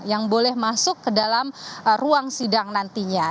yang boleh masuk ke dalam ruang sidang nantinya